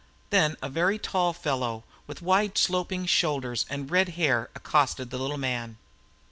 Then a very tall fellow with wide, sloping shoulders and red hair accosted the little man.